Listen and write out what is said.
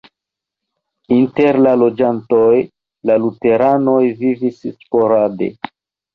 Inter la loĝantoj la luteranoj vivis sporade.